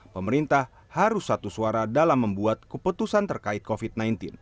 pemerintah harus satu suara dalam membuat keputusan terkait covid sembilan belas